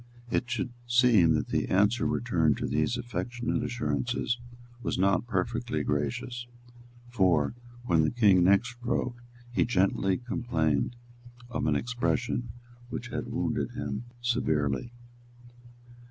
It should seem that the answer returned to these affectionate assurances was not perfectly gracious; for, when the King next wrote, he gently complained of an expression which had wounded him severely.